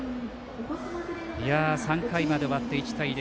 ３回まで終わって１対０。